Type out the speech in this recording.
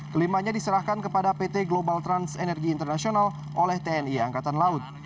kelimanya diserahkan kepada pt global trans energy international oleh tni angkatan laut